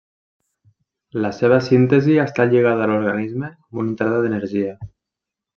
La seva síntesi està lligada a l'organisme amb una entrada d'energia.